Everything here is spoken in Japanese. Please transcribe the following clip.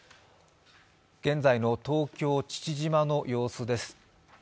現在の東京・父島の様子です。